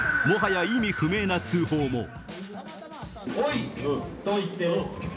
もはや意味不明な通報も。